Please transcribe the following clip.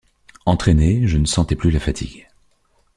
Entraîné, je ne sentais plus la fatigue.